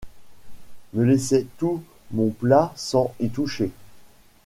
Me laisser tout mon plat sans y toucher !